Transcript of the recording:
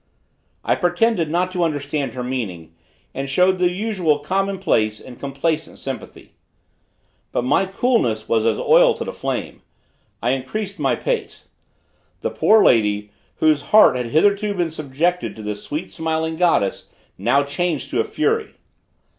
I pretended not to understand her meaning, and showed the usual common place and complacent sympathy. But my coolness was as oil to the flame. I increased my pace. The poor lady, whose heart had hitherto been subjected to the sweet smiling goddess, now changed to a fury.